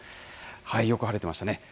よく晴れてましたね。